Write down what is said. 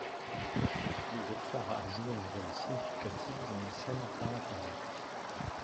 Le Velfarre a joué un rôle significatif dans la scène Para Para.